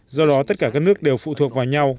do đó tất cả các nước đều phụ thuộc vào nhau